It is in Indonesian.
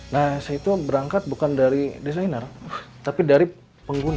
nah saya itu berangkat bukan dari desainer tapi dari pengguna